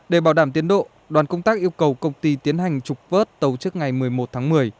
để bảo đảm tiến độ đoàn công tác yêu cầu công ty tiến hành trục vớt tàu trước ngày một mươi một tháng một mươi